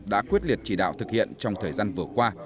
đã quyết liệt chỉ đạo thực hiện trong thời gian vừa qua